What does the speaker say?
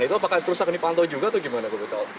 itu apakah rusak di pantau juga atau gimana pak betul